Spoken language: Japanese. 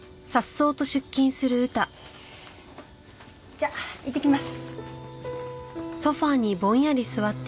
じゃあいってきます。